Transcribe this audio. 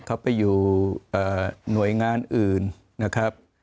เขาไปอยู่หน่วยงานอื่นนะครับ